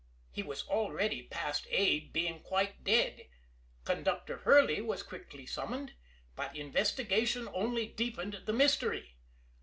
He was already past aid, being quite dead. Conductor Hurley was quickly summoned. But investigation only deepened the mystery.